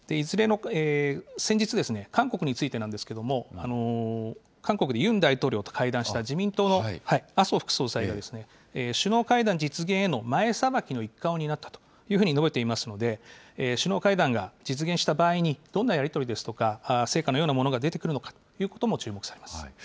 先日ですね、韓国についてなんですけれども、韓国でユン大統領と会談した自民党の麻生副総裁がですね、首脳会談実現への前さばきの一環を担ったというふうに述べていますので、首脳会談が実現した場合にどんなやり取りですとか、成果のようなものが出てくるのかということも注目されます。